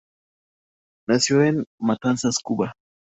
Nació en Matanzas, Cuba.